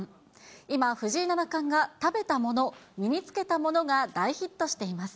今、藤井七冠が食べたもの、身に着けたものが大ヒットしています。